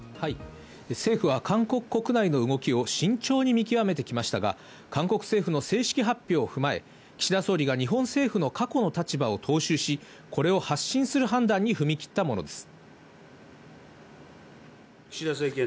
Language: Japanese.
政府は韓国国内の動きを慎重に見極めてきましたが、韓国政府の正式発表を踏まえ、岸田総理が日本政府の過去の立場を踏襲し、これを発信する判断に踏み切ったものです。